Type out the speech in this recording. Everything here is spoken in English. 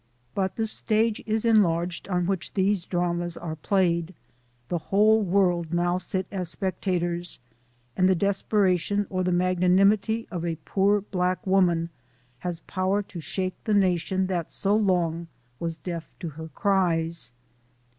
But the stage is enlarged on which these dramas are played, the whole world now sit as spectators, and the desperation or the magnanimity of a poor black woman has power to shake the nation that so long was deaf to her cries.